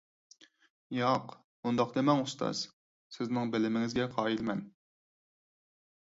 ياق، ئۇنداق دېمەڭ ئۇستاز، سىزنىڭ بىلىمىڭىزگە قايىل مەن!